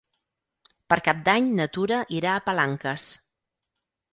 Per Cap d'Any na Tura irà a Palanques.